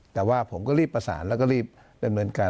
แต่ว่าผมก็รีบประสานแล้วก็รีบดำเนินการ